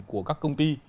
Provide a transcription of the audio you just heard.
của các công ty